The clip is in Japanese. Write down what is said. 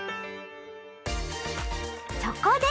そこで！